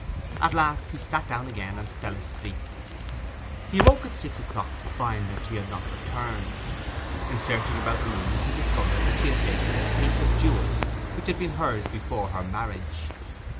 At last he sat down again and fell asleep. He awoke at six o'clock to find that she had not returned. In searching about the rooms he discovered that she had taken a case of jewels which had been hers before her marriage.